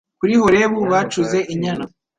Kuri Horebu bacuze inyana